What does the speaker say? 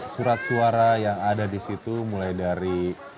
surat suara yang ada di situ mulai dari